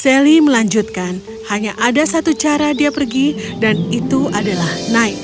sally melanjutkan hanya ada satu cara dia pergi dan itu adalah naik